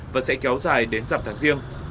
và sẽ kéo dài đến dặm tháng riêng